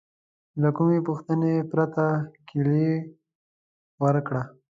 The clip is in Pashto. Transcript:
له کومې پوښتنې پرته کیلي ورکړه.